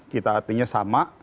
kita artinya sama